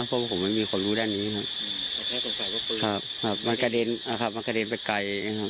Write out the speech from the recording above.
เพราะว่าผมไม่มีคนรู้ด้านนี้นะครับครับมันกระเด็นครับมันกระเด็นไปไกลเองครับ